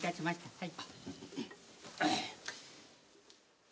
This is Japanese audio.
はい。